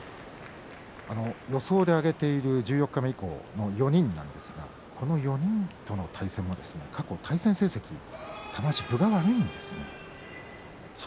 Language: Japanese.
予想で挙げている十四日目以降の４人なんですがこの４人との対戦は過去対戦成績玉鷲、分が悪いんです。